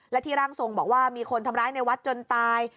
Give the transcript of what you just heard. และที่ร่างทรงบอกว่ามีคนทำร้ายในวัดจนตาย